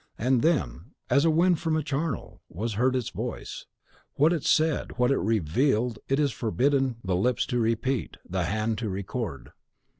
And then, as a wind from a charnel, was heard its voice. What it said, what revealed, it is forbidden the lips to repeat, the hand to record.